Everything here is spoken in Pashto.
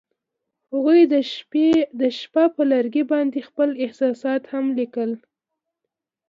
هغوی د شپه پر لرګي باندې خپل احساسات هم لیکل.